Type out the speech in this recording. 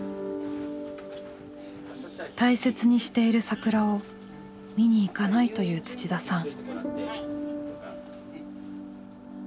大切にしている桜を見に行かないと言う土田さん。